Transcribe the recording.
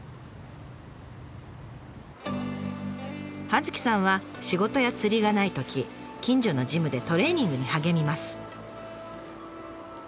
葉月さんは仕事や釣りがないとき近所のジムでトレーニングに励みます。